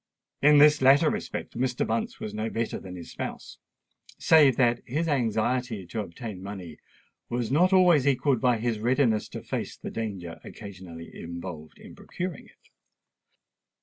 In this latter respect Mr. Bunce was no better than his spouse—save that his anxiety to obtain money was not always equalled by his readiness to face the danger occasionally involved in procuring it.